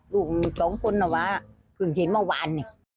ลูกมันต้องคุณว่าเพิ่งเห็นเมื่อวาน